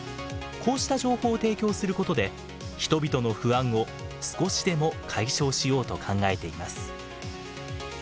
こうした情報を提供することで人々の不安を少しでも解消しようと考えています。